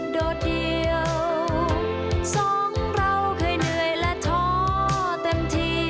ดวนทาง